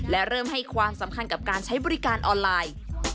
และเริ่มให้ความสำคัญกับการใช้บริการออนไลน์